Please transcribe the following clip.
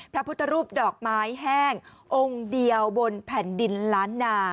พระพุทธรูปดอกไม้แห้งองค์เดียวบนแผ่นดินล้านนา